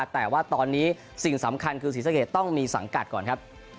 แต่ว่าตอนนี้สิ่งสำคัญคือศรีสะเกดต้องมีสังกัดก่อนครับ